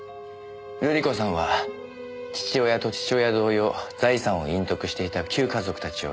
瑠璃子さんは父親と父親同様財産を隠匿していた旧華族たちを糾弾した。